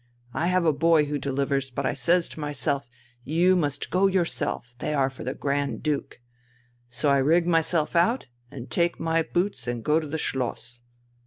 I have a boy who delivers, but I says to myself: 'You must go yourself, they are for the Grand Duke.' So I rig myself out and take my boots and go to the Schloss.